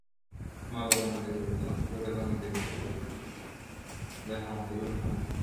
زه لرمه ډېر دولت دا هم علم هم آدب دی,